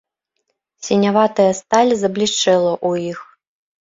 Сіняватая сталь заблішчэла ў іх.